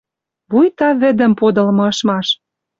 Вуйта вӹдӹм подылмы ышмаш.